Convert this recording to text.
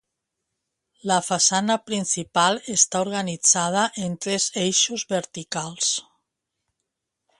La façana principal està organitzada en tres eixos verticals.